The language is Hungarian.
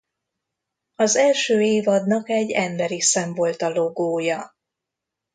Az első évadnak egy emberi szem volt a logója.